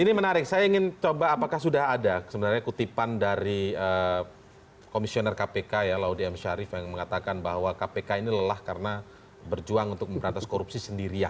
ini menarik saya ingin coba apakah sudah ada sebenarnya kutipan dari komisioner kpk ya laude m syarif yang mengatakan bahwa kpk ini lelah karena berjuang untuk memberantas korupsi sendiri